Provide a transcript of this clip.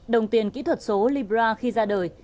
đồng tiền kỹ thuật số libra khi ra đời